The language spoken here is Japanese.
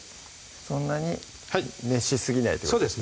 そんなに熱しすぎないってことですね